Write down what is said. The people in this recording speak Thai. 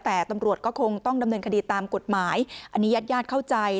แต่ตำรวจก็คงต้องดำเนินคดีตามกฎหมายอันนี้ญาติญาติเข้าใจ